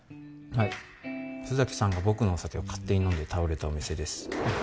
はい須崎さんが僕のお酒を勝手に飲んで倒れたお店です